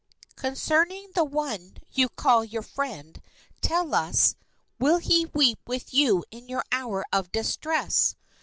Concerning the one you call your friend, tell us, will he weep with you in your hours of distress?